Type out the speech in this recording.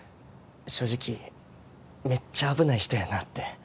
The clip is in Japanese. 正直めっちゃ危ない人やなって